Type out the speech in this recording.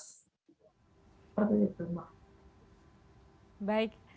seperti itu mbak